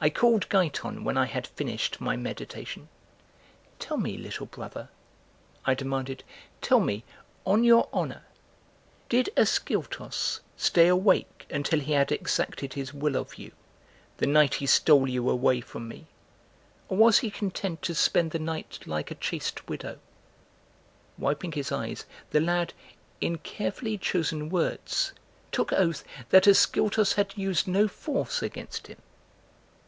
I called Giton when I had finished my meditation: "Tell me, little brother," I demanded, "tell me, on your honor: Did Ascyltos stay awake until he had exacted his will of you, the night he stole you away from me? Or was he content to spend the night like a chaste widow?" Wiping his eyes the lad, in carefully chosen words took oath that Ascyltos had used no force against him.